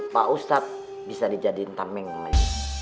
pak ustadz bisa dijadiin tameng lagi